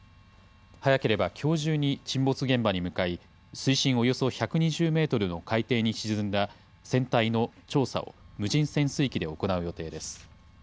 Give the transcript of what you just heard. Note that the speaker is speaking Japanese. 早ければきょう中に沈没現場に向かい、水深およそ１２０メートルの海底に沈んだ船体の調査を、無人潜水機で行う予定です。